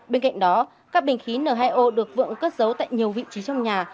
bên cạnh đó các bình khí n hai o được vượng cất giấu tại nhiều vị trí trong nhà